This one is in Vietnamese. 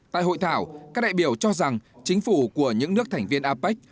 tại hội thảo các đại biểu cho rằng chính phủ của những nước thành viên apec